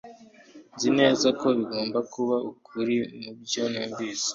Nzi neza ko bigomba kuba ukuri mubyo numvise